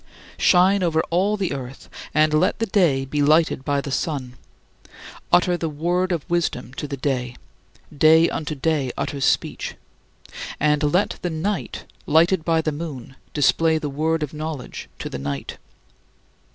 Shine over all the earth, and let the day be lighted by the sun, utter the Word of wisdom to the day ("day unto day utters speech") and let the night, lighted by the moon, display the Word of knowledge to the night.